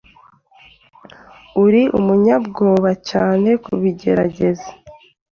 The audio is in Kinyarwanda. Ari umunyabwoba cyane kubigerageza.